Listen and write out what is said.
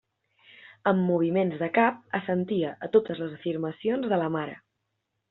Amb moviments de cap assentia a totes les afirmacions de la mare.